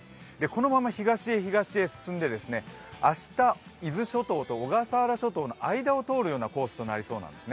このまま東へ東へ進んで、明日、伊豆諸島と小笠原諸島の間を通るコースとなりそうです。